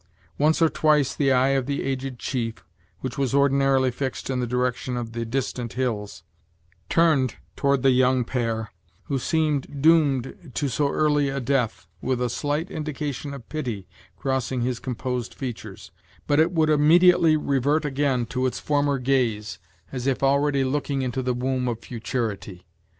Once or twice the eye of the aged chief, which was ordinarily fixed in the direction of the distant hills, turned toward the young pair, who seemed doomed to so early a death, with a slight indication of pity crossing his composed features, but it would immediately revert again to its former gaze, as if already looking into the womb of futurity.